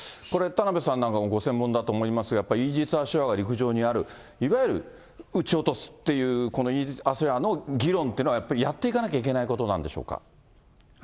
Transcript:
これ、田邉さんなんかもご専門だと思いますが、やっぱりイージス・アショアが陸上にある、いわゆる撃ち落とすという、このイージス・アショアの議論っていうのは、やっぱりやっていかなきゃいけないことなんでしょうか。